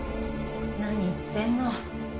何言ってんの。